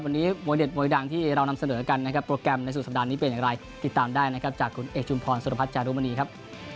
วันนี้มวยเด็ดมวยดังที่เรานำเสนอกันนะครับโปรแกรมในสุดสัปดาห์นี้เป็นอย่างไรติดตามได้นะครับจากคุณเอกชุมพรสุรพัฒน์จารุมณีครับ